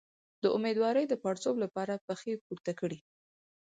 د امیدوارۍ د پړسوب لپاره پښې پورته کړئ